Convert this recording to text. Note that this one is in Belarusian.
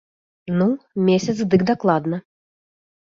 Ну, месяц дык дакладна.